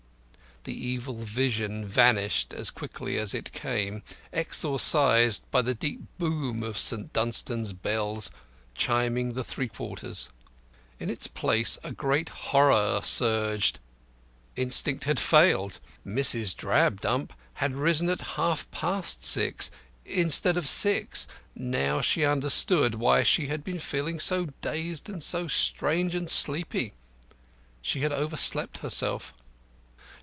The evil vision vanished as quickly as it came, exorcised by the deep boom of St. Dunstan's bells chiming the three quarters. In its place a great horror surged. Instinct had failed; Mrs. Drabdump had risen at half past six instead of six. Now she understood why she had been feeling so dazed and strange and sleepy. She had overslept herself.